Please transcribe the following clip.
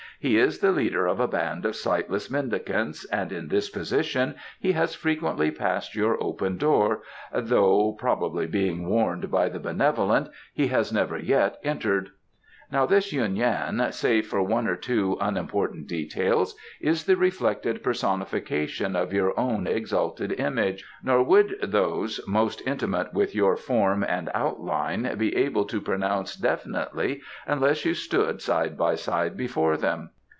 "He is the leader of a band of sightless mendicants and in this position he has frequently passed your open door, though probably being warned by the benevolent he has never yet entered. Now this Yuen Yan, save for one or two unimportant details, is the reflected personification of your own exalted image, nor would those most intimate with your form and outline be able to pronounce definitely unless you stood side by side before them.